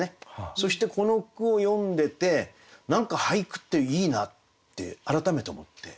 そしてこの句を読んでて何か俳句っていいなって改めて思って。